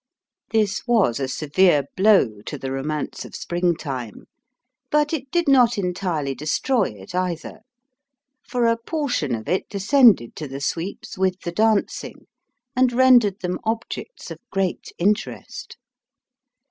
This was a severe blow to the romance of spring time, but, it did not entirely destroy it, either ; for a portion of it descended to the sweeps with the dancing, and rendered them objects of great interest.